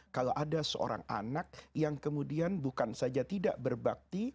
kalau ada seorang anak yang kemudian bukan saja tidak berbakti